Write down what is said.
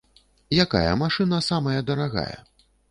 Якая машына самая дарагая?